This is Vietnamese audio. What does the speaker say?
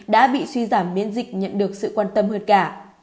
đã bị suy giảm miễn dịch nhận được sự quan tâm hơn cả